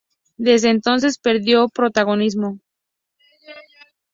Desde entonces perdió protagonismo.